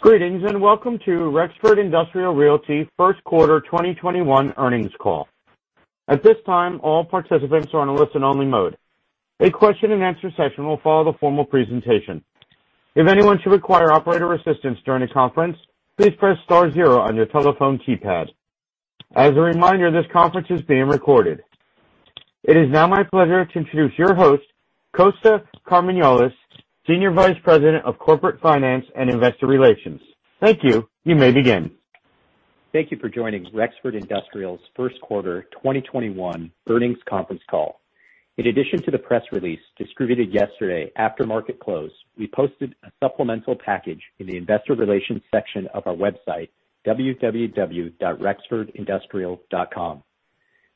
Greetings, welcome to Rexford Industrial Realty first quarter 2021 earnings call. At this time, all participants are on a listen-only mode. A question and answer session will follow the formal presentation. If anyone should require operator assistance during the conference, please press star zero on your telephone keypad. As a reminder, this conference is being recorded. It is now my pleasure to introduce your host, Kosta Karmaniolas, Senior Vice President of Corporate Finance and Investor Relations. Thank you. You may begin. Thank you for joining Rexford Industrial's first quarter 2021 earnings conference call. In addition to the press release distributed yesterday after market close, we posted a supplemental package in the investor relations section of our website, www.rexfordindustrial.com.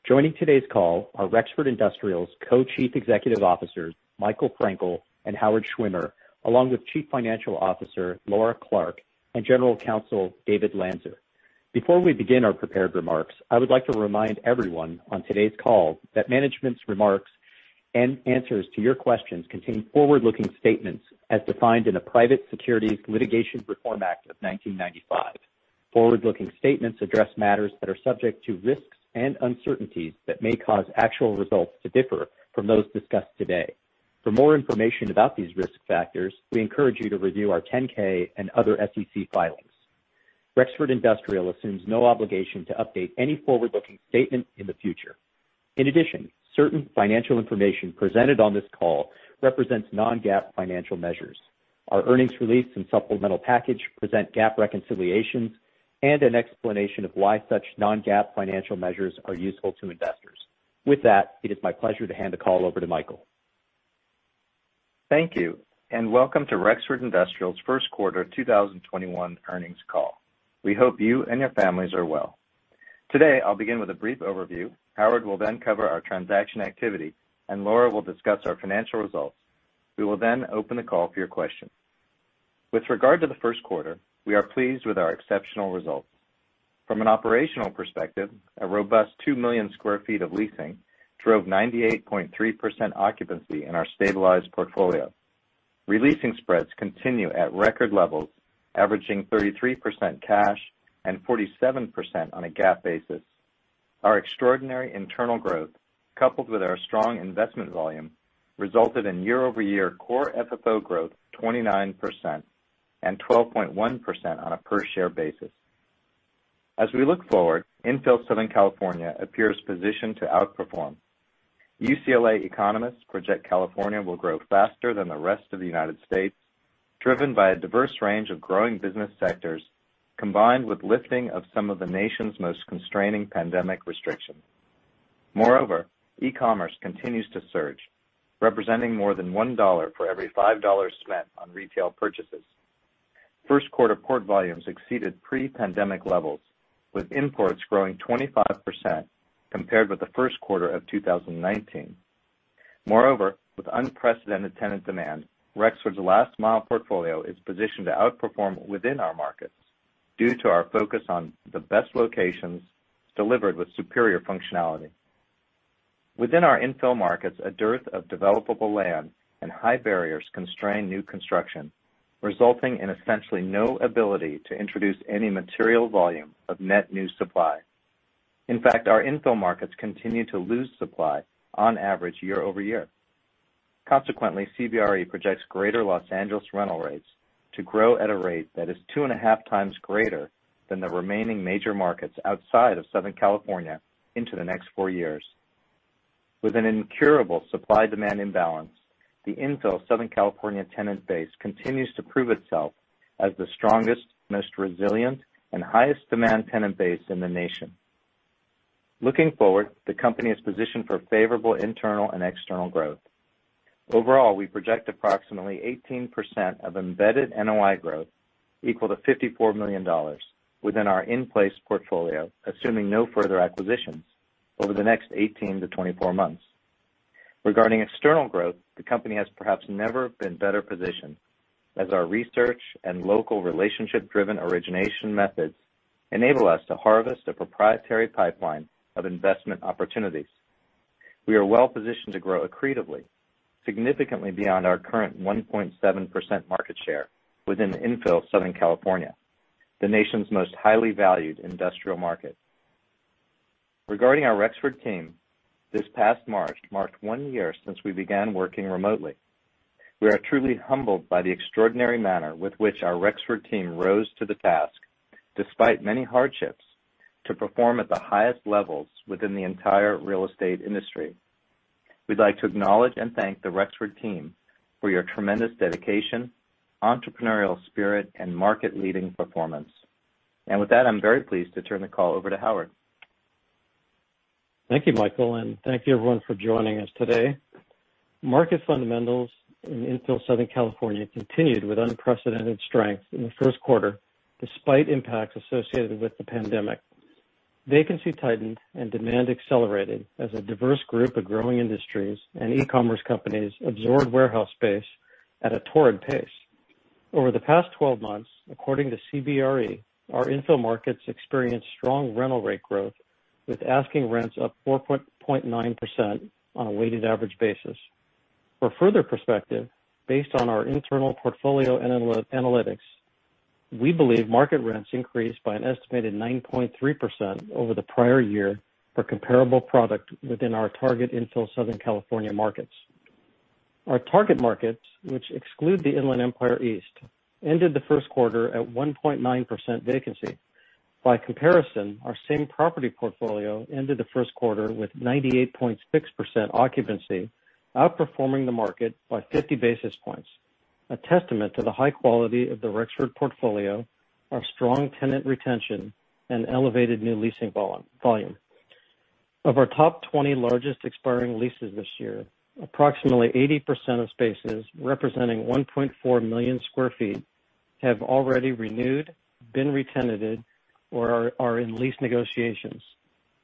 Joining today's call are Rexford Industrial's Co-Chief Executive Officers, Michael Frankel and Howard Schwimmer, along with Chief Financial Officer, Laura Clark, and General Counsel, David Lanzer. Before we begin our prepared remarks, I would like to remind everyone on today's call that management's remarks and answers to your questions contain forward-looking statements as defined in the Private Securities Litigation Reform Act of 1995. Forward-looking statements address matters that are subject to risks and uncertainties that may cause actual results to differ from those discussed today. For more information about these risk factors, we encourage you to review our Form 10-K and other SEC filings. Rexford Industrial assumes no obligation to update any forward-looking statement in the future. In addition, certain financial information presented on this call represents non-GAAP financial measures. Our earnings release and supplemental package present GAAP reconciliations and an explanation of why such non-GAAP financial measures are useful to investors. With that, it is my pleasure to hand the call over to Michael. Thank you. Welcome to Rexford Industrial's first quarter 2021 earnings call. We hope you and your families are well. I'll begin with a brief overview. Howard will cover our transaction activity. Laura will discuss our financial results. We will open the call for your questions. With regard to the first quarter, we are pleased with our exceptional results. From an operational perspective, a robust 2 million sq ft of leasing drove 98.3% occupancy in our stabilized portfolio. Releasing spreads continue at record levels, averaging 33% cash and 47% on a GAAP basis. Our extraordinary internal growth, coupled with our strong investment volume, resulted in year-over-year core FFO growth 29% and 12.1% on a per share basis. As we look forward, infill Southern California appears positioned to outperform. UCLA economists project California will grow faster than the rest of the U.S., driven by a diverse range of growing business sectors, combined with lifting of some of the nation's most constraining pandemic restrictions. Moreover, e-commerce continues to surge, representing more than $1 for every $5 spent on retail purchases. First quarter port volumes exceeded pre-pandemic levels, with imports growing 25% compared with the first quarter of 2019. Moreover, with unprecedented tenant demand, Rexford's last mile portfolio is positioned to outperform within our markets due to our focus on the best locations delivered with superior functionality. Within our infill markets, a dearth of developable land and high barriers constrain new construction, resulting in essentially no ability to introduce any material volume of net new supply. In fact, our infill markets continue to lose supply on average year-over-year. Consequently, CBRE projects Greater Los Angeles rental rates to grow at a rate that is two and a half times greater than the remaining major markets outside of Southern California into the next four years. With an incurable supply-demand imbalance, the infill Southern California tenant base continues to prove itself as the strongest, most resilient and highest demand tenant base in the nation. Looking forward, the company is positioned for favorable internal and external growth. Overall, we project approximately 18% of embedded NOI growth equal to $54 million within our in-place portfolio, assuming no further acquisitions over the next 18-24 months. Regarding external growth, the company has perhaps never been better positioned as our research and local relationship-driven origination methods enable us to harvest a proprietary pipeline of investment opportunities. We are well positioned to grow accretively, significantly beyond our current 1.7% market share within infill Southern California, the nation's most highly valued industrial market. Regarding our Rexford team, this past March marked one year since we began working remotely. We are truly humbled by the extraordinary manner with which our Rexford team rose to the task, despite many hardships, to perform at the highest levels within the entire real estate industry. We'd like to acknowledge and thank the Rexford team for your tremendous dedication, entrepreneurial spirit, and market leading performance. With that, I'm very pleased to turn the call over to Howard. Thank you, Michael, and thank you everyone for joining us today. Market fundamentals in infill Southern California continued with unprecedented strength in the first quarter, despite impacts associated with the pandemic. Vacancy tightened and demand accelerated as a diverse group of growing industries and e-commerce companies absorbed warehouse space at a torrid pace. Over the past 12 months, according to CBRE, our infill markets experienced strong rental rate growth, with asking rents up 4.9% on a weighted average basis. For further perspective, based on our internal portfolio analytics, we believe market rents increased by an estimated 9.3% over the prior year for comparable product within our target infill Southern California markets. Our target markets, which exclude the Inland Empire East, ended the first quarter at 1.9% vacancy. By comparison, our same-property portfolio ended the first quarter with 98.6% occupancy, outperforming the market by 50 basis points, a testament to the high quality of the Rexford portfolio, our strong tenant retention, and elevated new leasing volume. Of our top 20 largest expiring leases this year, approximately 80% of spaces representing 1.4 million sq ft have already renewed, been re-tenanted, or are in lease negotiations.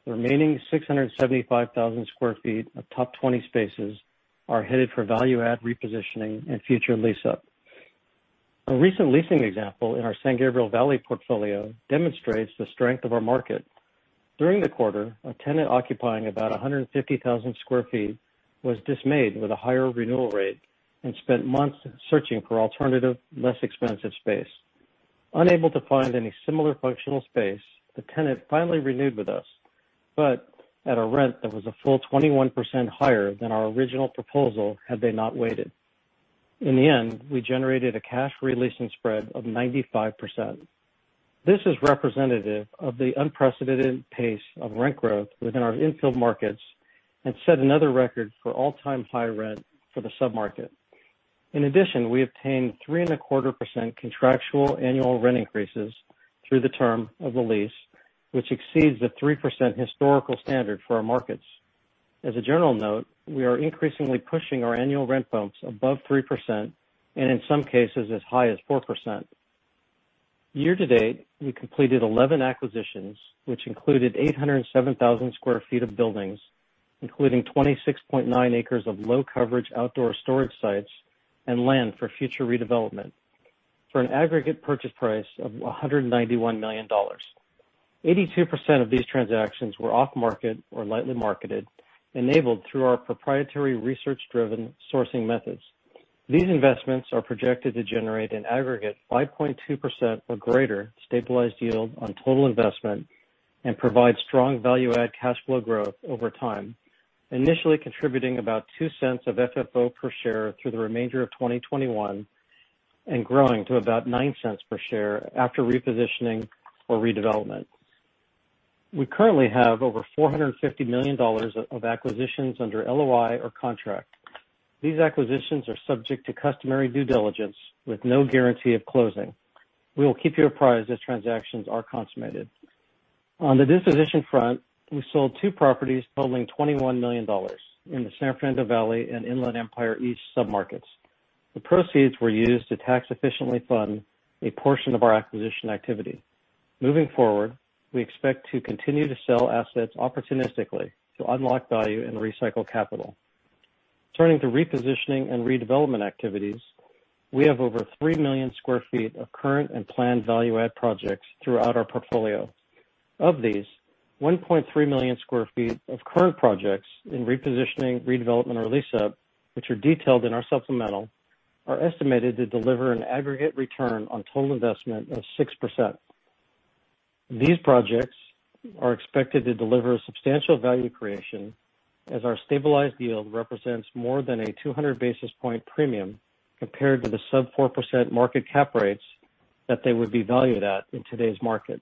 The remaining 675,000 sq ft of top 20 spaces are headed for value add repositioning and future lease up. A recent leasing example in our San Gabriel Valley portfolio demonstrates the strength of our market. During the quarter, a tenant occupying about 150,000 sq ft was dismayed with a higher renewal rate and spent months searching for alternative, less expensive space. Unable to find any similar functional space, the tenant finally renewed with us, but at a rent that was a full 21% higher than our original proposal had they not waited. In the end, we generated a cash re-leasing spread of 95%. This is representative of the unprecedented pace of rent growth within our infill markets and set another record for all-time high rent for the submarket. In addition, we obtained 3.25% contractual annual rent increases through the term of the lease, which exceeds the 3% historical standard for our markets. As a general note, we are increasingly pushing our annual rent bumps above 3%, and in some cases, as high as 4%. Year to date, we completed 11 acquisitions, which included 807,000 sq ft of buildings, including 26.9 acres of low coverage outdoor storage sites and land for future redevelopment, for an aggregate purchase price of $191 million. 82% of these transactions were off-market or lightly marketed, enabled through our proprietary research-driven sourcing methods. These investments are projected to generate an aggregate 5.2% or greater stabilized yield on total investment and provide strong value add cash flow growth over time, initially contributing about $0.02 of FFO per share through the remainder of 2021, and growing to about $0.09 per share after repositioning or redevelopment. We currently have over $450 million of acquisitions under LOI or contract. These acquisitions are subject to customary due diligence with no guarantee of closing. We will keep you apprised as transactions are consummated. On the disposition front, we sold two properties totaling $21 million in the San Fernando Valley and Inland Empire East submarkets. The proceeds were used to tax efficiently fund a portion of our acquisition activity. Moving forward, we expect to continue to sell assets opportunistically to unlock value and recycle capital. Turning to repositioning and redevelopment activities, we have over 3 million sq ft of current and planned value add projects throughout our portfolio. Of these, 1.3 million sq ft of current projects in repositioning, redevelopment, or lease up, which are detailed in our supplemental, are estimated to deliver an aggregate return on total investment of 6%. These projects are expected to deliver substantial value creation as our stabilized yield represents more than a 200 basis points premium compared to the sub 4% market cap rates that they would be valued at in today's market.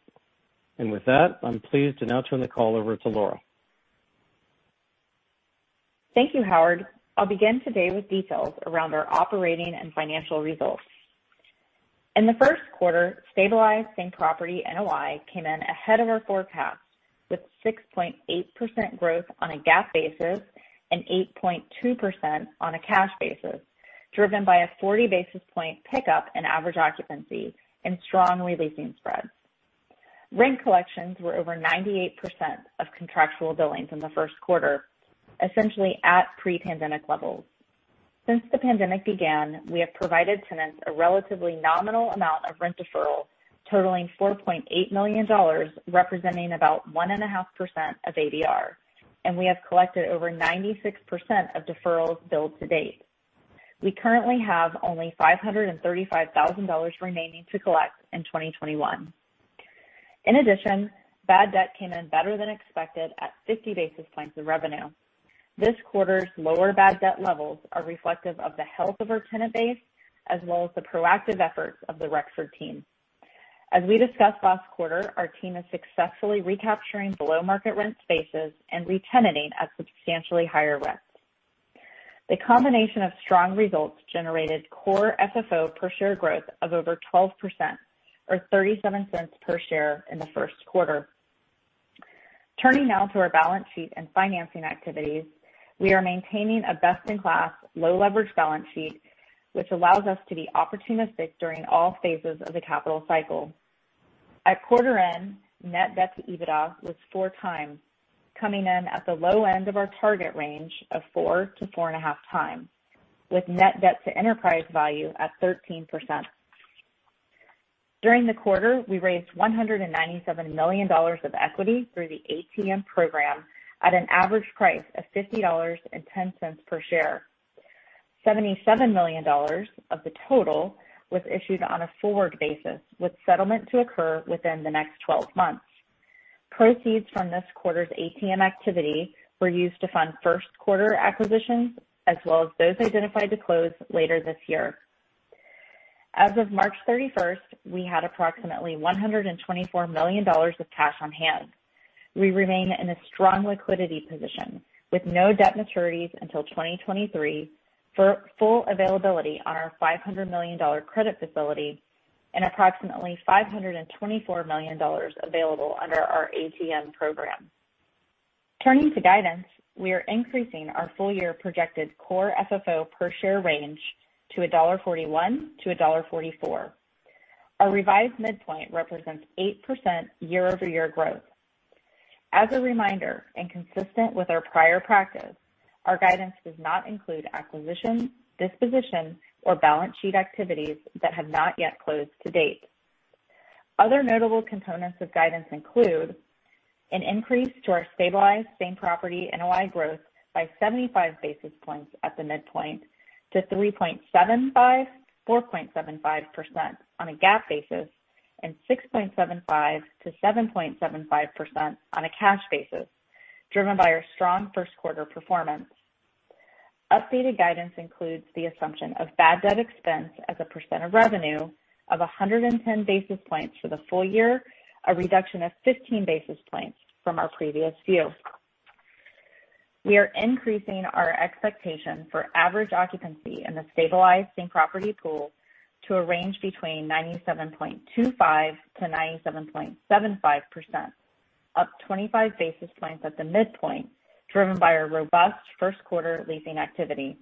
With that, I'm pleased to now turn the call over to Laura. Thank you, Howard. I'll begin today with details around our operating and financial results. In the first quarter, stabilized same-property NOI came in ahead of our forecast with 6.8% growth on a GAAP basis and 8.2% on a cash basis, driven by a 40 basis points pickup in average occupancy and strong re-leasing spreads. Rent collections were over 98% of contractual billings in the first quarter, essentially at pre-pandemic levels. Since the pandemic began, we have provided tenants a relatively nominal amount of rent deferral totaling $4.8 million, representing about 1.5% of ABR, and we have collected over 96% of deferrals billed to date. We currently have only $535,000 remaining to collect in 2021. In addition, bad debt came in better than expected at 50 basis points of revenue. This quarter's lower bad debt levels are reflective of the health of our tenant base, as well as the proactive efforts of the Rexford Industrial team. As we discussed last quarter, our team is successfully recapturing below-market rent spaces and re-tenanting at substantially higher rents. The combination of strong results generated core FFO per share growth of over 12% or $0.37 per share in the first quarter. Turning now to our balance sheet and financing activities. We are maintaining a best-in-class low leverage balance sheet, which allows us to be opportunistic during all phases of the capital cycle. At quarter end, net debt to EBITDA was four times, coming in at the low end of our target range of four to four and a half times, with net debt to enterprise value at 13%. During the quarter, we raised $197 million of equity through the ATM program at an average price of $50.10 per share. $77 million of the total was issued on a forward basis, with settlement to occur within the next 12 months. Proceeds from this quarter's ATM activity were used to fund first quarter acquisitions, as well as those identified to close later this year. As of March 31st, we had approximately $124 million of cash on hand. We remain in a strong liquidity position with no debt maturities until 2023 for full availability on our $500 million credit facility and approximately $524 million available under our ATM program. Turning to guidance, we are increasing our full year projected core FFO per share range to $1.41-$1.44. Our revised midpoint represents 8% year-over-year growth. As a reminder, consistent with our prior practice, our guidance does not include acquisitions, dispositions, or balance sheet activities that have not yet closed to date. Other notable components of guidance include an increase to our stabilized same property NOI growth by 75 basis points at the midpoint to 3.75%-4.75% on a GAAP basis, and 6.75%-7.75% on a cash basis, driven by our strong first quarter performance. Updated guidance includes the assumption of bad debt expense as a percent of revenue of 110 basis points for the full year, a reduction of 15 basis points from our previous view. We are increasing our expectation for average occupancy in the stabilized same property pool to a range between 97.25%-97.75%, up 25 basis points at the midpoint driven by our robust first quarter leasing activity.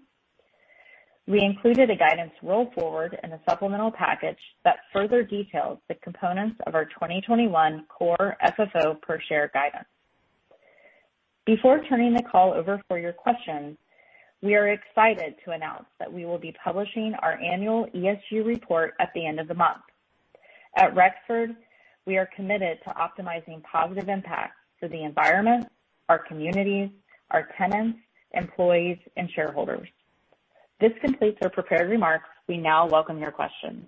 We included a guidance roll forward in the supplemental package that further details the components of our 2021 core FFO per share guidance. Before turning the call over for your questions, we are excited to announce that we will be publishing our annual ESG report at the end of the month. At Rexford, we are committed to optimizing positive impact for the environment, our communities, our tenants, employees, and shareholders. This completes our prepared remarks. We now welcome your questions.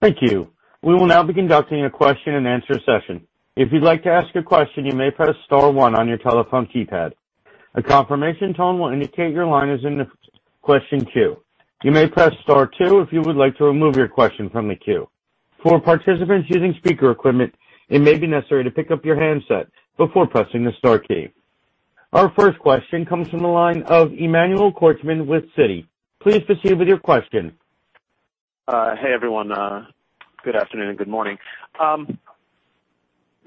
Thank you. We will now be conducting a question and answer session. If you'd like to ask a question, you may press star one on your telephone keypad. A confirmation tone will indicate your line is in the question queue. You may press star two if you would like to remove your question from the queue. For participants using speaker equipment, it may be necessary to pick up your handset before pressing the star key. Our first question comes from the line of Emmanuel Korchman with Citi. Please proceed with your question. Hey, everyone. Good afternoon and good morning.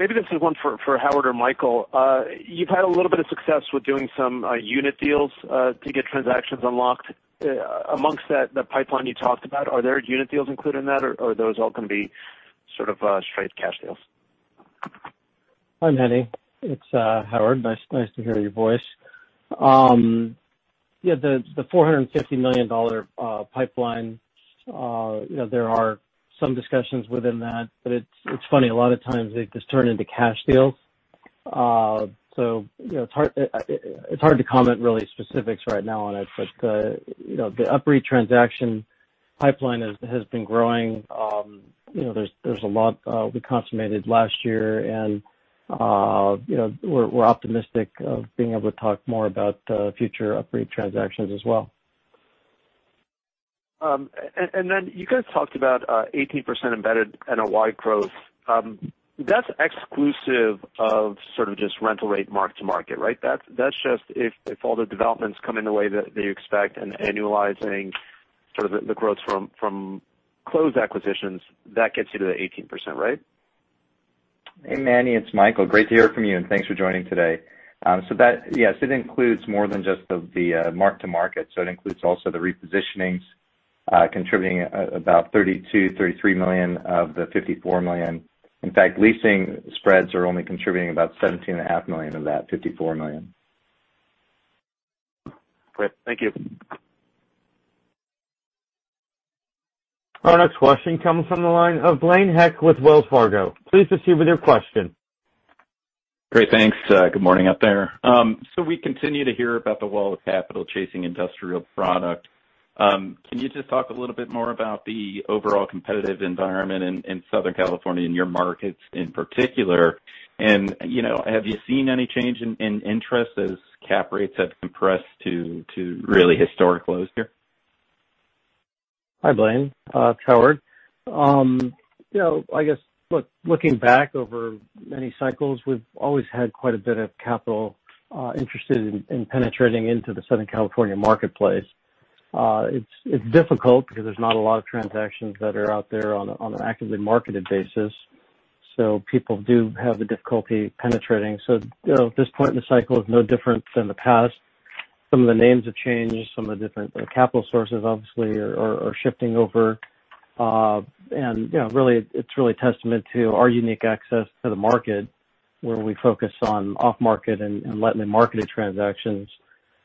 Maybe this is one for Howard or Michael. You've had a little bit of success with doing some unit deals to get transactions unlocked. Amongst that pipeline you talked about, are there unit deals included in that, or are those all going to be sort of straight cash deals? Hi, Emmanuel. It's Howard. Nice to hear your voice. Yeah, the $450 million pipeline. There are some discussions within that, but it's funny, a lot of times they just turn into cash deals. It's hard to comment really specifics right now on it. The UPREIT transaction pipeline has been growing. There's a lot we consummated last year, and we're optimistic of being able to talk more about future UPREIT transactions as well. You guys talked about 18% embedded NOI growth. That's exclusive of sort of just rental rate mark to market, right? That's just if all the developments come in the way that you expect and annualizing sort of the growth from closed acquisitions, that gets you to the 18%, right? Hey, Emmanuel, it's Michael. Great to hear from you, and thanks for joining today. That, yes, it includes more than just the mark to market. It includes also the repositionings contributing about $32 million-$33 million of the $54 million. In fact, leasing spreads are only contributing about $17.5 million of that $54 million. Great. Thank you. Our next question comes from the line of Blaine Heck with Wells Fargo. Please proceed with your question. Great, thanks. Good morning out there. We continue to hear about the wall of capital chasing industrial product. Can you just talk a little bit more about the overall competitive environment in Southern California, in your markets in particular? Have you seen any change in interest as cap rates have compressed to really historic lows here? Hi, Blaine. Howard. I guess looking back over many cycles, we've always had quite a bit of capital interested in penetrating into the Southern California marketplace. It's difficult because there's not a lot of transactions that are out there on an actively marketed basis. People do have the difficulty penetrating. This point in the cycle is no different than the past. Some of the names have changed. Some of the different capital sources obviously are shifting over. It's really a testament to our unique access to the market where we focus on off-market and lightly marketed transactions,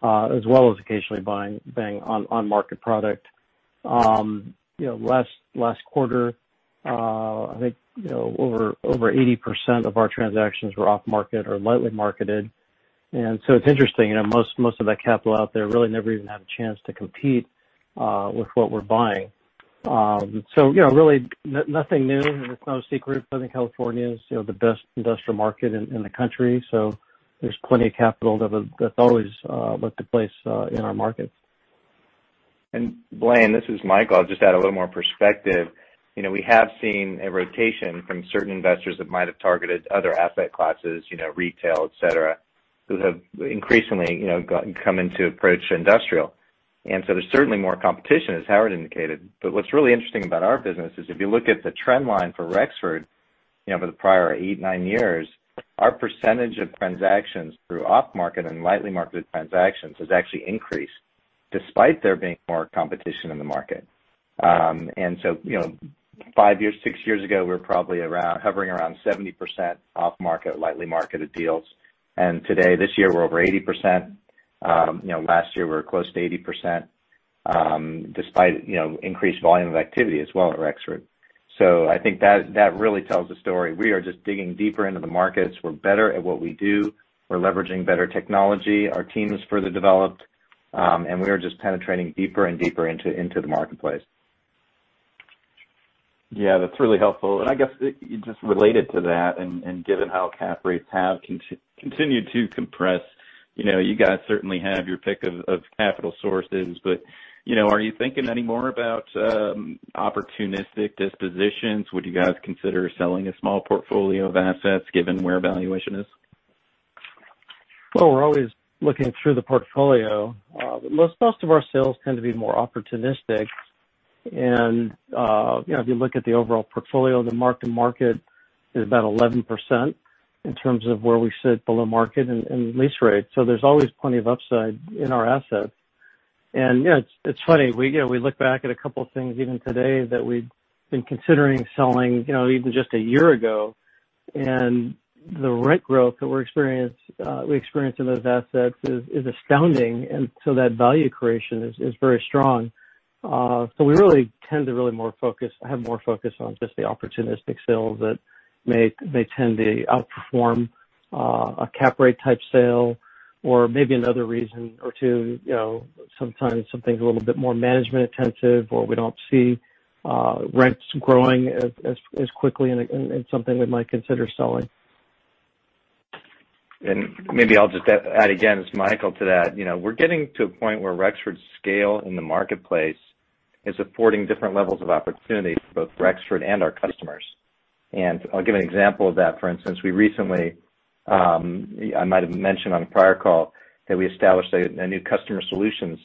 as well as occasionally buying on-market product. Last quarter, I think over 80% of our transactions were off-market or lightly marketed. It's interesting, most of that capital out there really never even had a chance to compete with what we're buying. Really nothing new, and it's no secret. Southern California is the best industrial market in the country, so there's plenty of capital that's always looked to place in our market. Blaine, this is Michael. I'll just add a little more perspective. We have seen a rotation from certain investors that might have targeted other asset classes, retail, et cetera, who have increasingly come in to approach industrial. There's certainly more competition, as Howard indicated. What's really interesting about our business is if you look at the trend line for Rexford for the prior eight, nine years, our percentage of transactions through off-market and lightly marketed transactions has actually increased despite there being more competition in the market. Five years, six years ago, we were probably hovering around 70% off-market, lightly marketed deals. Today, this year, we're over 80%. Last year we were close to 80%, despite increased volume of activity as well at Rexford. I think that really tells a story. We are just digging deeper into the markets. We're better at what we do. We're leveraging better technology. Our team is further developed. We are just penetrating deeper and deeper into the marketplace. Yeah, that's really helpful. I guess, just related to that and given how cap rates have continued to compress, you guys certainly have your pick of capital sources, but are you thinking anymore about opportunistic dispositions? Would you guys consider selling a small portfolio of assets given where valuation is? Well, we're always looking through the portfolio. Most of our sales tend to be more opportunistic. If you look at the overall portfolio, the mark-to-market is about 11% in terms of where we sit below market and lease rates. There's always plenty of upside in our assets. It's funny, we look back at a couple of things even today that we'd been considering selling even just a year ago. The rent growth that we experienced in those assets is astounding. That value creation is very strong. We really tend to have more focus on just the opportunistic sales that may tend to outperform a cap rate type sale. Maybe another reason or two, sometimes something's a little bit more management intensive, or we don't see rents growing as quickly, and it's something we might consider selling. Maybe I'll just add again, as Michael, to that. We're getting to a point where Rexford's scale in the marketplace is affording different levels of opportunities for both Rexford and our customers. I'll give an example of that. For instance, we recently, I might have mentioned on a prior call that we established a new customer solutions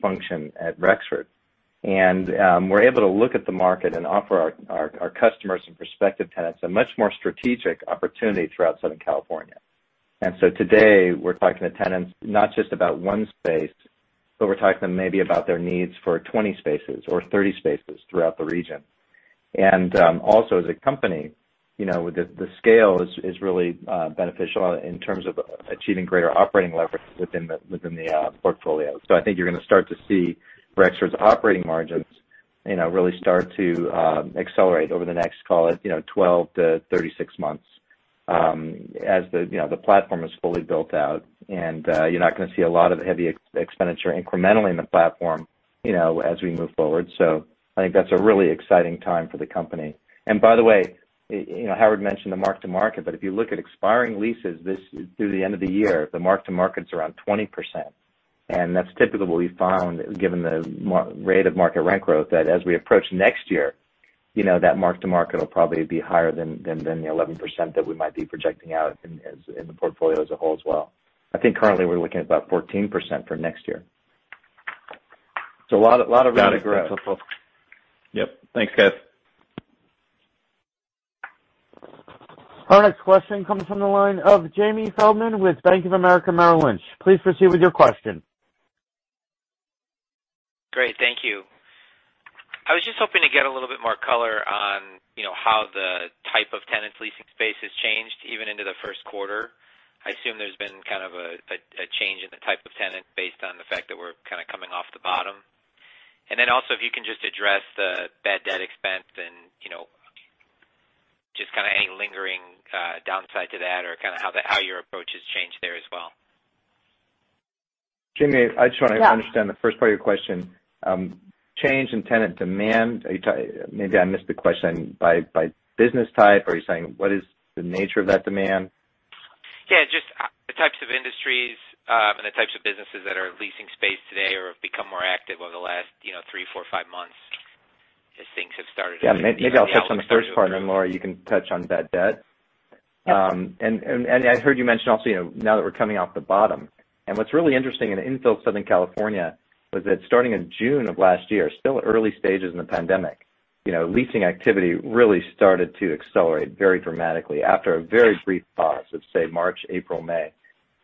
function at Rexford, and we're able to look at the market and offer our customers and prospective tenants a much more strategic opportunity throughout Southern California. Today, we're talking to tenants, not just about one space, but we're talking to them maybe about their needs for 20 spaces or 30 spaces throughout the region. Also as a company, the scale is really beneficial in terms of achieving greater operating leverage within the portfolio. I think you're going to start to see Rexford's operating margins really start to accelerate over the next, call it, 12 to 36 months, as the platform is fully built out. You're not going to see a lot of the heavy expenditure incrementally in the platform as we move forward. I think that's a really exciting time for the company. By the way, Howard mentioned the mark-to-market, but if you look at expiring leases through the end of the year, the mark-to-market's around 20%. That's typically what we found, given the rate of market rent growth, that as we approach next year, that mark-to-market will probably be higher than the 11% that we might be projecting out in the portfolio as a whole as well. I think currently we're looking at about 14% for next year. A lot of room to grow. Got it. That's helpful. Yep. Thanks, guys. Our next question comes from the line of Jamie Feldman with Bank of America Merrill Lynch. Please proceed with your question. Great. Thank you. I was just hoping to get a little bit more color on how the type of tenants leasing space has changed even into the first quarter. I assume there's been kind of a change in the type of tenant based on the fact that we're kind of coming off the bottom. Also, if you can just address the bad debt expense and just kind of any lingering downside to that or kind of how your approach has changed there as well. Jamie, I just want to understand the first part of your question. Change in tenant demand. Maybe I missed the question. By business type? Are you saying what is the nature of that demand? Yeah, just the types of industries and the types of businesses that are leasing space today or have become more active over the last three, four, five months. Yeah, maybe I'll start on the first part, and Laura, you can touch on bad debt. I heard you mention also now that we're coming off the bottom. What's really interesting in infill Southern California was that starting in June of last year, still early stages in the pandemic, leasing activity really started to accelerate very dramatically after a very brief pause of, say, March, April, May.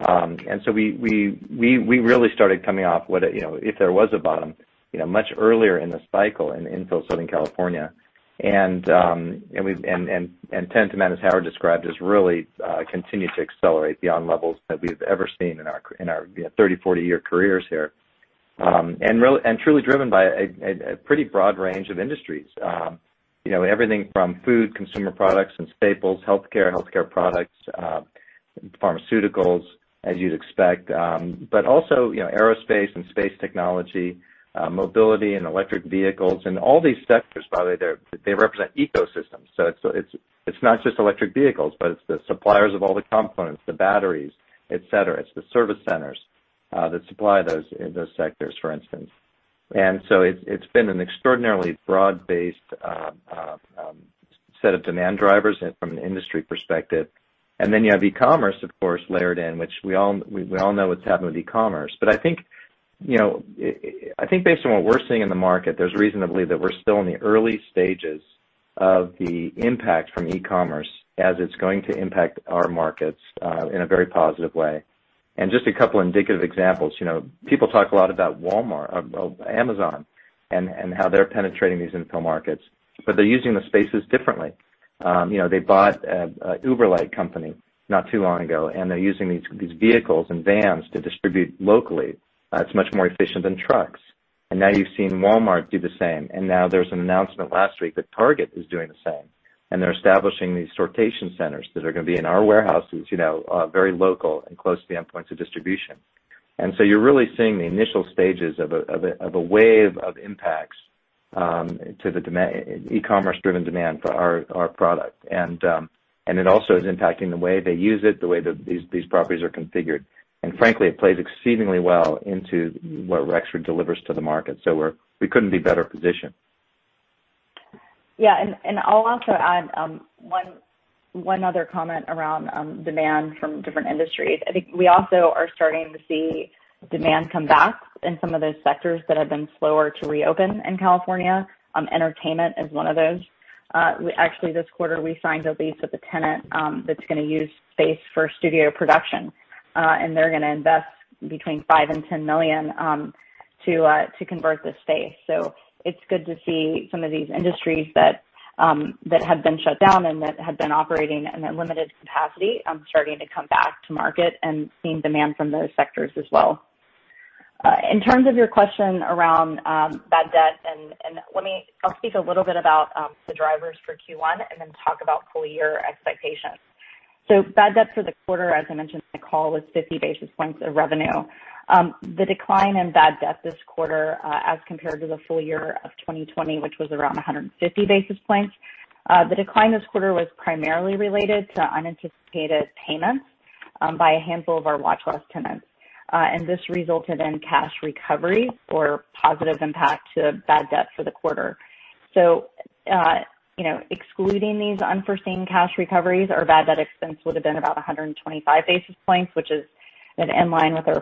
We really started coming off, if there was a bottom, much earlier in the cycle in infill Southern California. Tenant demand, as Howard described, has really continued to accelerate beyond levels that we've ever seen in our 30, 40-year careers here. Truly driven by a pretty broad range of industries. Everything from food, consumer products and staples, healthcare products, pharmaceuticals, as you'd expect. Also, aerospace and space technology, mobility and electric vehicles. All these sectors, by the way, they represent ecosystems. It's not just electric vehicles, but it's the suppliers of all the components, the batteries, et cetera. It's the service centers that supply those sectors, for instance. It's been an extraordinarily broad-based set of demand drivers from an industry perspective. You have e-commerce, of course, layered in, which we all know what's happened with e-commerce. I think based on what we're seeing in the market, there's reason to believe that we're still in the early stages of the impact from e-commerce as it's going to impact our markets in a very positive way. Just a couple indicative examples. People talk a lot about Amazon and how they're penetrating these infill markets, but they're using the spaces differently. They bought an Uber-like company not too long ago, and they're using these vehicles and vans to distribute locally. It's much more efficient than trucks. Now you've seen Walmart do the same. Now there's an announcement last week that Target is doing the same, and they're establishing these sortation centers that are going to be in our warehouses, very local and close to the endpoints of distribution. You're really seeing the initial stages of a wave of impacts to the e-commerce driven demand for our product. It also is impacting the way they use it, the way that these properties are configured. Frankly, it plays exceedingly well into what Rexford delivers to the market. We couldn't be better positioned. Yeah. I'll also add one other comment around demand from different industries. I think we also are starting to see demand come back in some of those sectors that have been slower to reopen in California. Entertainment is one of those. Actually, this quarter, we signed a lease with a tenant that's going to use space for studio production. They're going to invest between $5 million and $10 million to convert this space. It's good to see some of these industries that had been shut down and that had been operating in a limited capacity, starting to come back to market and seeing demand from those sectors as well. In terms of your question around bad debt, I'll speak a little bit about the drivers for Q1 and then talk about full-year expectations. Bad debt for the quarter, as I mentioned in the call, was 50 basis points of revenue. The decline in bad debt this quarter as compared to the full year of 2020, which was around 150 basis points. The decline this quarter was primarily related to unanticipated payments by a handful of our watch-list tenants. This resulted in cash recovery or positive impact to bad debt for the quarter. Excluding these unforeseen cash recoveries, our bad debt expense would have been about 125 basis points, which was in line with our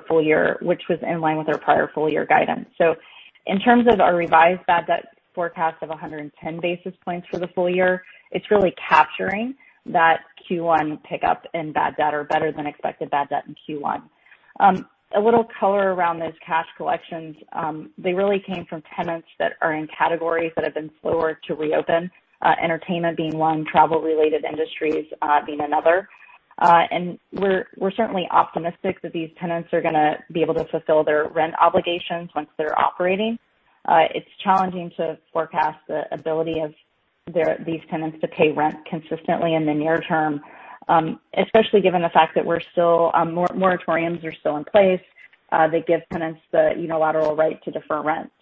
prior full-year guidance. In terms of our revised bad debt forecast of 110 basis points for the full year, it's really capturing that Q1 pickup in bad debt or better-than-expected bad debt in Q1. A little color around those cash collections. They really came from tenants that are in categories that have been slower to reopen. Entertainment being one, travel-related industries being another. We're certainly optimistic that these tenants are going to be able to fulfill their rent obligations once they're operating. It's challenging to forecast the ability of these tenants to pay rent consistently in the near term, especially given the fact that moratoriums are still in place that give tenants the unilateral right to defer rent.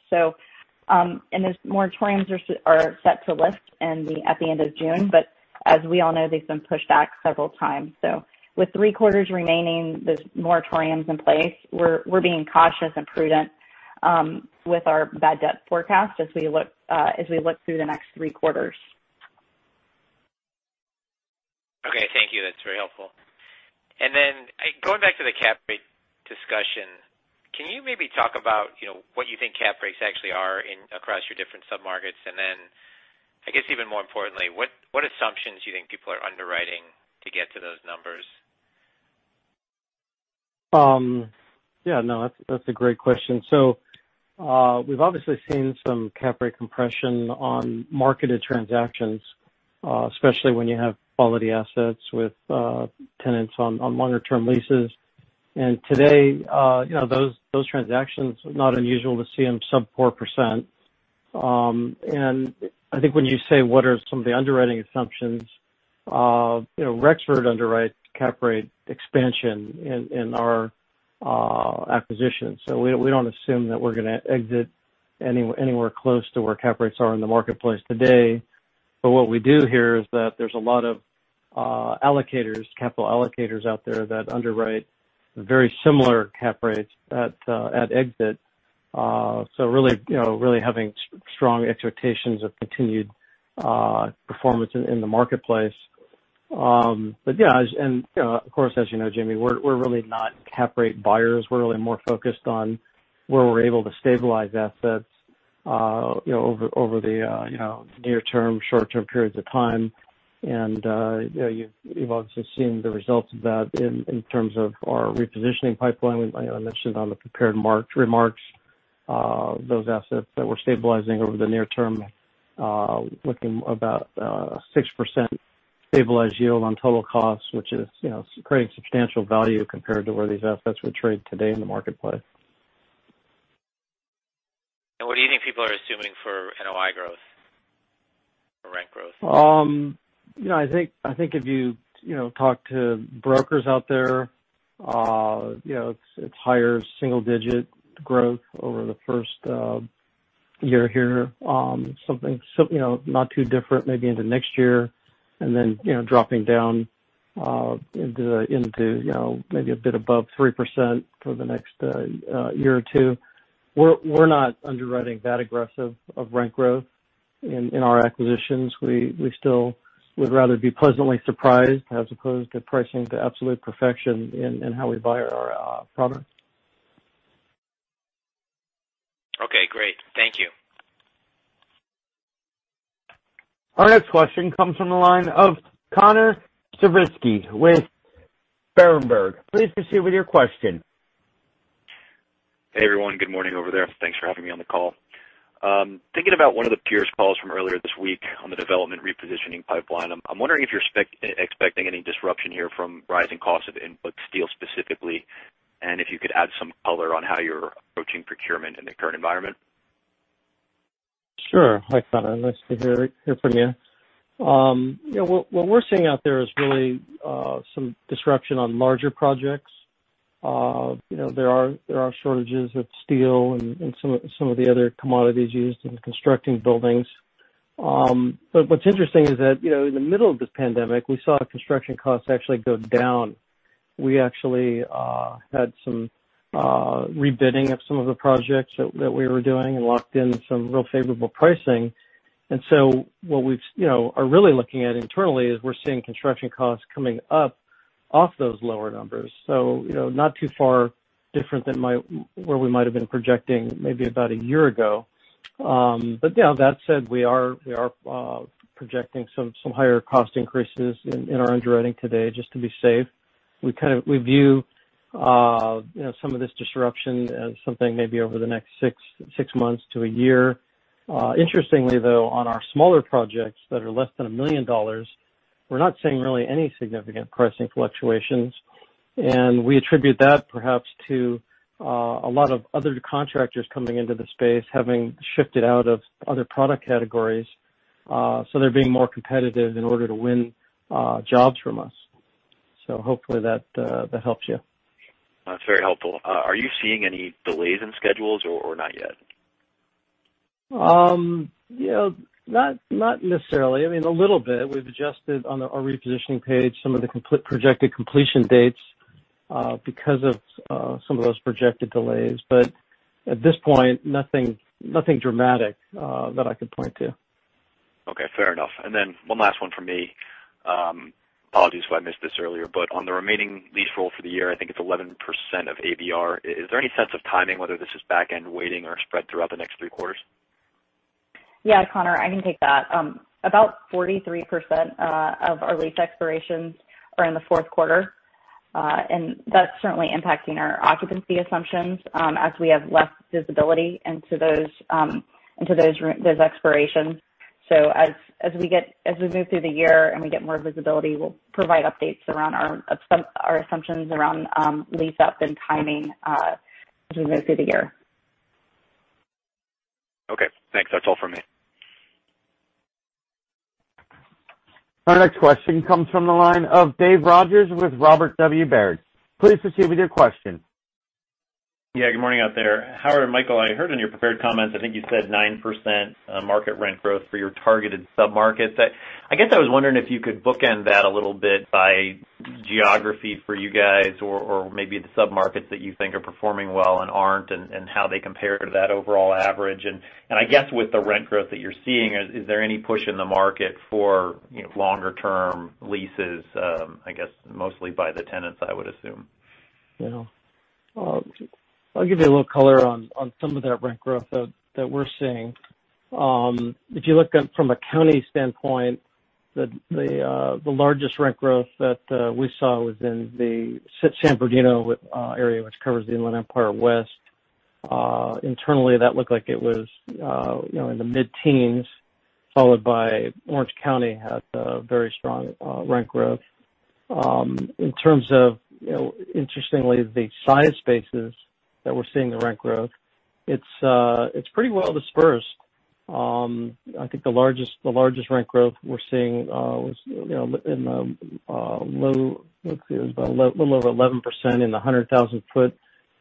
Those moratoriums are set to lift at the end of June, but as we all know, they've been pushed back several times. With three quarters remaining, those moratoriums in place, we're being cautious and prudent with our bad debt forecast as we look through the next three quarters. Okay. Thank you. That's very helpful. Going back to the cap rate discussion, can you maybe talk about what you think cap rates actually are across your different sub-markets? I guess even more importantly, what assumptions you think people are underwriting to get to those numbers? Yeah, no, that's a great question. We've obviously seen some cap rate compression on marketed transactions, especially when you have quality assets with tenants on longer-term leases. Today those transactions, not unusual to see them sub 4%. I think when you say what are some of the underwriting assumptions, Rexford underwrites cap rate expansion in our acquisitions. We don't assume that we're going to exit anywhere close to where cap rates are in the marketplace today. What we do hear is that there's a lot of allocators, capital allocators out there that underwrite very similar cap rates at exit. Really having strong expectations of continued performance in the marketplace. Yeah, and of course, as you know, Jamie Feldman, we're really not cap rate buyers. We're really more focused on where we're able to stabilize assets over the near term, short term periods of time. You've obviously seen the results of that in terms of our repositioning pipeline. I mentioned on the prepared remarks, those assets that we're stabilizing over the near term, looking about 6% stabilized yield on total costs, which is creating substantial value compared to where these assets would trade today in the marketplace. What do you think people are assuming for NOI growth or rent growth? I think if you talk to brokers out there, it's higher single digit growth over the first year here. Not too different maybe into next year and then dropping down into maybe a bit above 3% for the next year or two. We're not underwriting that aggressive of rent growth in our acquisitions. We still would rather be pleasantly surprised as opposed to pricing to absolute perfection in how we buy our product. Okay, great. Thank you. Our next question comes from the line of Connor Siversky with Berenberg. Please proceed with your question. Hey, everyone. Good morning over there. Thanks for having me on the call. Thinking about one of the peers' calls from earlier this week on the development repositioning pipeline. I'm wondering if you're expecting any disruption here from rising costs of inputs, steel specifically, and if you could add some color on how you're approaching procurement in the current environment. Sure. Hi, Connor. Nice to hear from you. What we're seeing out there is really some disruption on larger projects. There are shortages of steel and some of the other commodities used in constructing buildings. What's interesting is that, in the middle of this pandemic, we saw construction costs actually go down. We actually had some rebidding of some of the projects that we were doing and locked in some real favorable pricing. What we are really looking at internally is we're seeing construction costs coming up off those lower numbers. Not too far different than where we might've been projecting maybe about a year ago. Yeah, that said, we are projecting some higher cost increases in our underwriting today just to be safe. We view some of this disruption as something maybe over the next six months to a year. Interestingly, though, on our smaller projects that are less than $1 million, we're not seeing really any significant pricing fluctuations. We attribute that perhaps to a lot of other contractors coming into the space having shifted out of other product categories. They're being more competitive in order to win jobs from us. Hopefully that helps you. That's very helpful. Are you seeing any delays in schedules or not yet? Not necessarily. I mean, a little bit. We've adjusted on our repositioning page some of the projected completion dates because of some of those projected delays. At this point, nothing dramatic that I could point to. Okay, fair enough. One last one from me. Apologies if I missed this earlier, on the remaining lease roll for the year, I think it's 11% of ABR. Is there any sense of timing whether this is back end waiting or spread throughout the next three quarters? Yeah, Connor, I can take that. About 43% of our lease expirations are in the fourth quarter. That's certainly impacting our occupancy assumptions as we have less visibility into those expirations. As we move through the year and we get more visibility, we'll provide updates around our assumptions around lease up and timing as we move through the year. Okay, thanks. That's all from me. Our next question comes from the line of David Rodgers with Robert W. Baird. Please proceed with your question. Yeah, good morning out there. Howard and Michael, I heard in your prepared comments, I think you said 9% market rent growth for your targeted submarkets. I guess I was wondering if you could bookend that a little bit by geography for you guys or maybe the submarkets that you think are performing well and aren't, and how they compare to that overall average. I guess with the rent growth that you're seeing, is there any push in the market for longer term leases? I guess mostly by the tenants, I would assume. Yeah. I'll give you a little color on some of that rent growth that we're seeing. If you look at from a county standpoint, the largest rent growth that we saw was in the San Bernardino area, which covers the Inland Empire West. Internally, that looked like it was in the mid-teens, followed by Orange County had a very strong rent growth. In terms of, interestingly, the size spaces that we're seeing the rent growth, it's pretty well dispersed. I think the largest rent growth we're seeing was a little over 11% in the 100,000 foot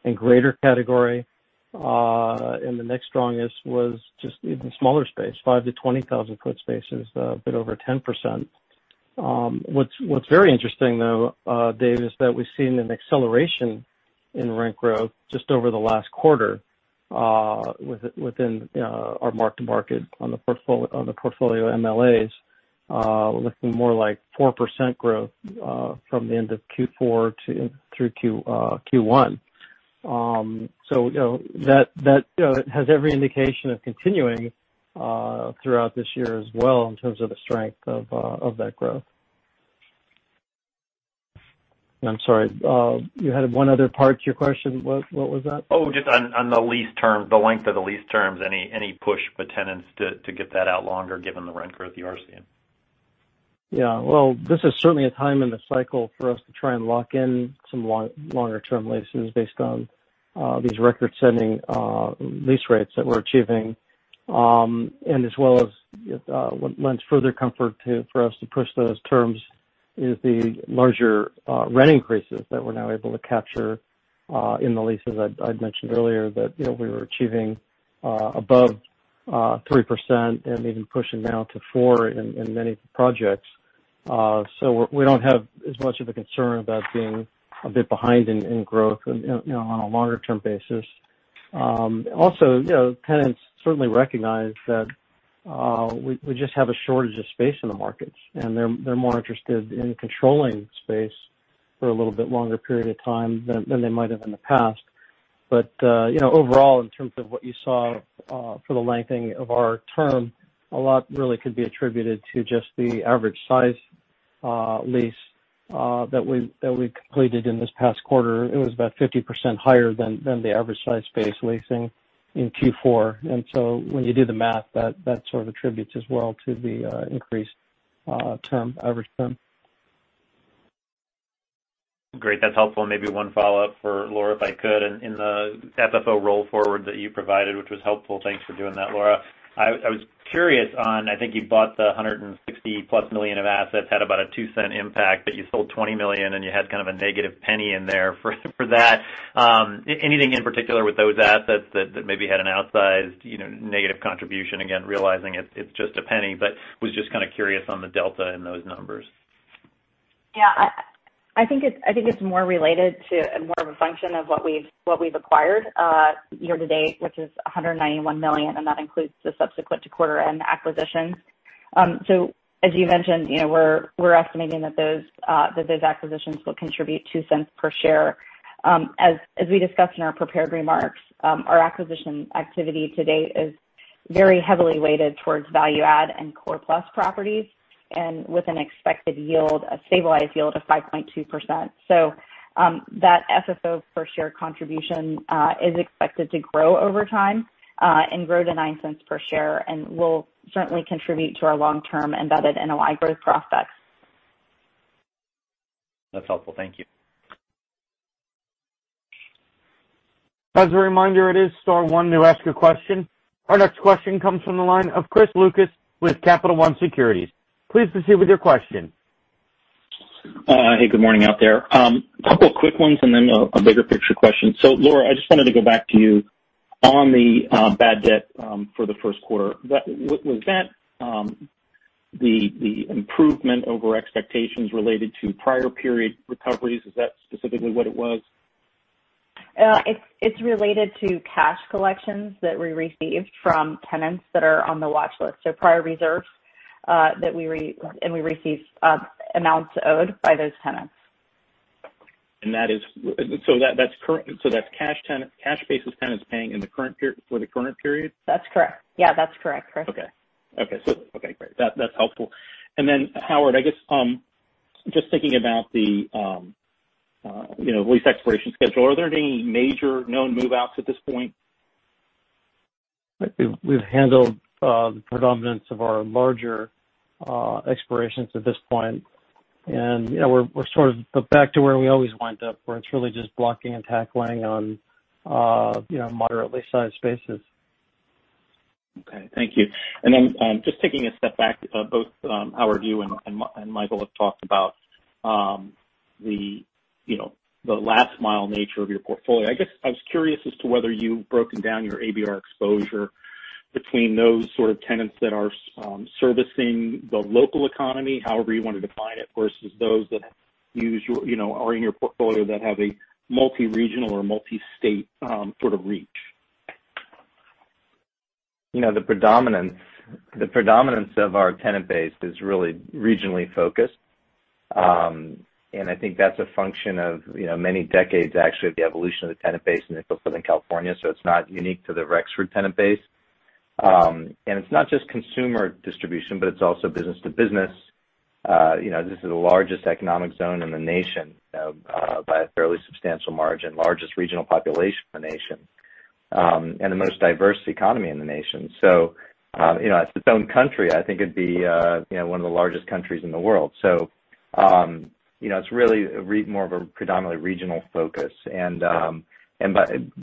and greater category. The next strongest was just in smaller space, five to 20,000 foot spaces, a bit over 10%. What's very interesting though, David, is that we've seen an acceleration in rent growth just over the last quarter within our mark-to-market on the portfolio MLAs looking more like 4% growth from the end of Q4 through Q1. That has every indication of continuing throughout this year as well in terms of the strength of that growth. I'm sorry. You had one other part to your question. What was that? Oh, just on the lease terms, the length of the lease terms, any push for tenants to get that out longer given the rent growth you are seeing? Yeah. Well, this is certainly a time in the cycle for us to try and lock in some longer-term leases based on these record-setting lease rates that we're achieving. As well as what lends further comfort for us to push those terms is the larger rent increases that we're now able to capture in the leases I'd mentioned earlier that we were achieving above 3% and even pushing now to 4% in many projects. We don't have as much of a concern about being a bit behind in growth on a longer-term basis. Also, tenants certainly recognize that we just have a shortage of space in the markets, and they're more interested in controlling space for a little bit longer period of time than they might have in the past. Overall, in terms of what you saw for the lengthening of our term, a lot really could be attributed to just the average size lease that we completed in this past quarter. It was about 50% higher than the average size space leasing in Q4. When you do the math, that sort of attributes as well to the increased average term. Great. That's helpful. Maybe one follow-up for Laura, if I could. In the FFO roll forward that you provided, which was helpful, thanks for doing that, Laura. I was curious on, I think you bought the $160+ million of assets, had about a $0.02 impact, but you sold $20 million, and you had kind of a negative $0.01 in there for that. Anything in particular with those assets that maybe had an outsized negative contribution? Again, realizing it's just $0.01, but was just kind of curious on the delta in those numbers. Yeah. I think it's more related to and more of a function of what we've acquired year to date, which is $191 million, and that includes the subsequent to quarter-end acquisitions. As you mentioned, we're estimating that those acquisitions will contribute $0.02 per share. As we discussed in our prepared remarks, our acquisition activity to date is very heavily weighted towards value add and core plus properties, and with an expected yield, a stabilized yield of 5.2%. That FFO per share contribution is expected to grow over time, and grow to $0.09 per share and will certainly contribute to our long-term embedded NOI growth prospects. That's helpful. Thank you. As a reminder, it is star one to ask a question. Our next question comes from the line of Christopher Lucas with Capital One Securities. Please proceed with your question. Hey, good morning out there. A couple of quick ones and then a bigger picture question. Laura, I just wanted to go back to you on the bad debt for the first quarter. Was that the improvement over expectations related to prior period recoveries? Is that specifically what it was? It's related to cash collections that we received from tenants that are on the watch list. Prior reserves, and we received amounts owed by those tenants. That's cash basis tenants paying for the current period? That's correct. Yeah, that's correct, Christopher. Okay. Okay, great. That's helpful. Howard, I guess, just thinking about the lease expiration schedule, are there any major known move-outs at this point? We've handled the predominance of our larger expirations at this point. We're sort of back to where we always wind up, where it's really just blocking and tackling on moderately sized spaces. Okay. Thank you. Just taking a step back, both Howard, you and Michael have talked about the last mile nature of your portfolio. I guess I was curious as to whether you've broken down your ABR exposure between those sort of tenants that are servicing the local economy, however you want to define it, versus those that are in your portfolio that have a multi-regional or multi-state sort of reach. The predominance of our tenant base is really regionally focused. I think that's a function of many decades, actually, of the evolution of the tenant base in Southern California, so it's not unique to the Rexford tenant base. It's not just consumer distribution, but it's also business to business. This is the largest economic zone in the nation by a fairly substantial margin, largest regional population in the nation, and the most diverse economy in the nation. As its own country, I think it'd be one of the largest countries in the world. It's really more of a predominantly regional focus.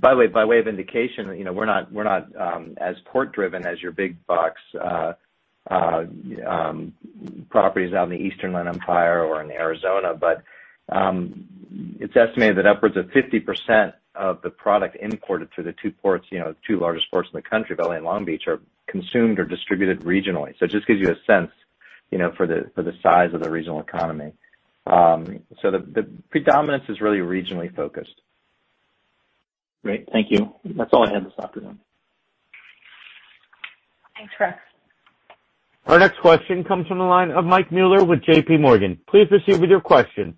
By way of indication, we're not as port driven as your big box properties out in the Inland Empire East or in Arizona. It's estimated that upwards of 50% of the product imported through the two largest ports in the country, L.A. and Long Beach, are consumed or distributed regionally. It just gives you a sense for the size of the regional economy. The predominance is really regionally focused. Great. Thank you. That's all I had this afternoon. Thanks, Christopher Lucas. Our next question comes from the line of Michael Mueller with JPMorgan. Please proceed with your question.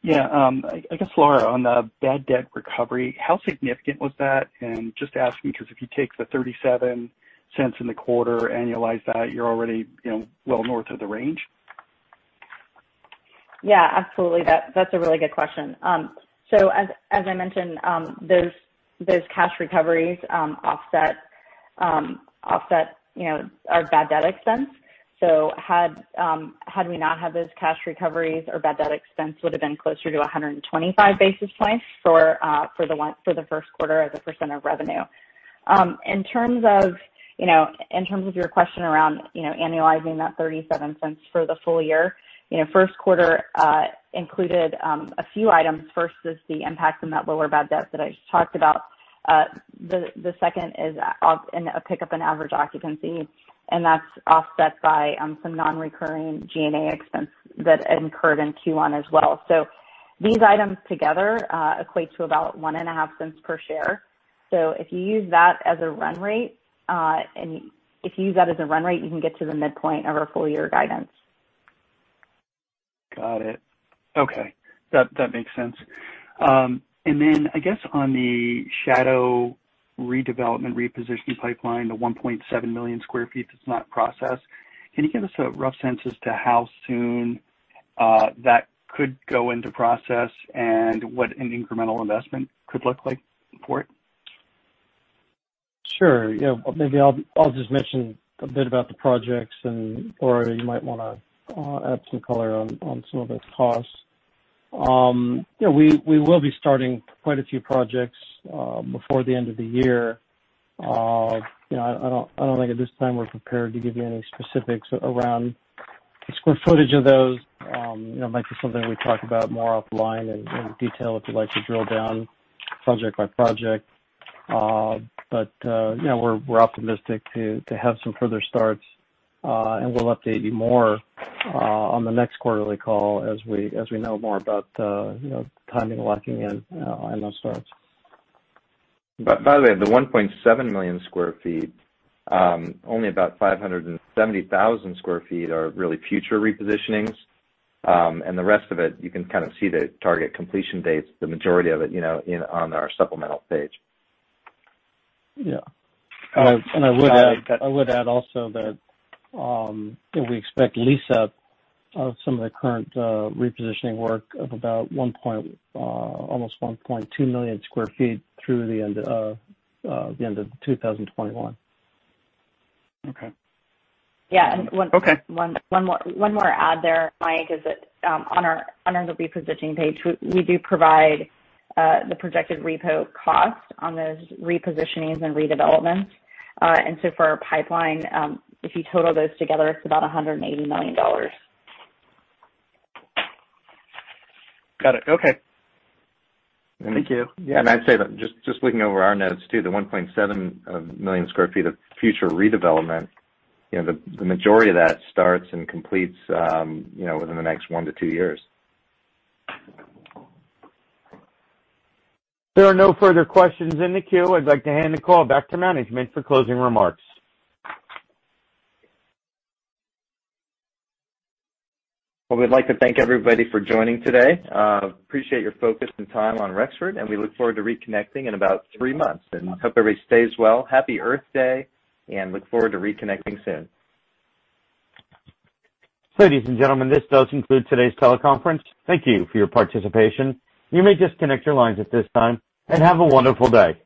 Yeah. I guess, Laura, on the bad debt recovery, how significant was that? Just asking because if you take the $0.37 in the quarter, annualize that, you're already well north of the range. Yeah, absolutely. That's a really good question. As I mentioned, those cash recoveries offset our bad debt expense. Had we not had those cash recoveries, our bad debt expense would've been closer to 125 basis points for the first quarter as a percent of revenue. In terms of your question around annualizing that $0.37 for the full year, first quarter included a few items. First is the impact from that lower bad debt that I just talked about. The second is a pickup in average occupancy, and that's offset by some non-recurring G&A expense that incurred in Q1 as well. These items together equate to about $0.015 per share. If you use that as a run rate, you can get to the midpoint of our full year guidance. Got it. Okay. That makes sense. I guess on the shadow redevelopment repositioning pipeline, the 1.7 million sq ft that's not processed, can you give us a rough sense as to how soon that could go into process and what an incremental investment could look like for it? Sure. Yeah. Maybe I'll just mention a bit about the projects, and Laura, you might want to add some color on some of those costs. We will be starting quite a few projects before the end of the year. I don't think at this time we're prepared to give you any specifics around the square footage of those. It might be something we talk about more offline in detail if you'd like to drill down project by project. We're optimistic to have some further starts, and we'll update you more on the next quarterly call as we know more about the timing of locking in on those starts. By the way, of the 1.7 million sq ft, only about 570,000 sq ft are really future repositionings. The rest of it, you can kind of see the target completion dates, the majority of it, on our supplemental page. Yeah. I would add also that we expect lease-up of some of the current repositioning work of about almost 1.2 million sq ft through the end of 2021. Okay. Yeah. Okay. One more add there, Michael, is that on our repositioning page, we do provide the projected repo cost on those repositionings and redevelopments. For our pipeline, if you total those together, it's about $180 million. Got it. Okay. Thank you. Yeah. I'd say that just looking over our notes too, the 1.7 million sq ft of future redevelopment, the majority of that starts and completes within the next one to two years. There are no further questions in the queue. I'd like to hand the call back to management for closing remarks. Well, we'd like to thank everybody for joining today. Appreciate your focus and time on Rexford Industrial, and we look forward to reconnecting in about three months. Hope everybody stays well. Happy Earth Day. Look forward to reconnecting soon. Ladies and gentlemen, this does conclude today's teleconference. Thank you for your participation. You may disconnect your lines at this time, and have a wonderful day.